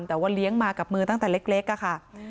แต่ว่าเลี้ยงมากับมือตั้งแต่เล็กค่ะ